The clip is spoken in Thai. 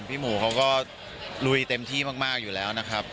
พี่หมูเขาก็ลุยเต็มที่มากอยู่แล้วนะครับ